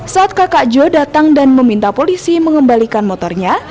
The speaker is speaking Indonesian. saat kakak jo datang dan meminta polisi mengembalikan motornya